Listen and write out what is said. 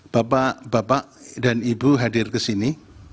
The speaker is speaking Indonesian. bapak bapak dan ibu hadir ke sini